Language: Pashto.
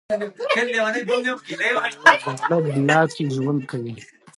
دی په یوه زاړه بلاک کې ژوند کوي.